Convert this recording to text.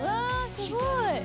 すごい！